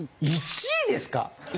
１位ですか？